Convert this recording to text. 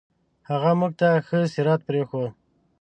هغه موږ ته ښه سیرت پرېښود.